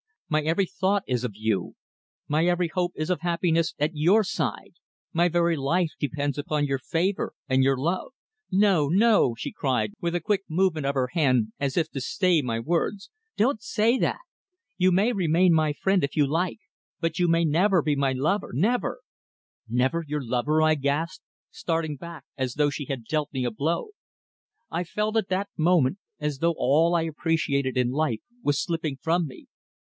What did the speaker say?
My every thought is of you; my every hope is of happiness at your side; my very life depends upon your favour and your love." "No, no!" she cried, with a quick movement of her hand as if to stay my words. "Don't say that. You may remain my friend if you like but you may never be my lover never!" "Never your lover!" I gasped, starting back as though she had dealt me a blow. I felt at that moment as though all I appreciated in life was slipping from me.